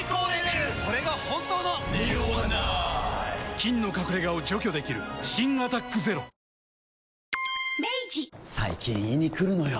菌の隠れ家を除去できる新「アタックＺＥＲＯ」最近胃にくるのよ。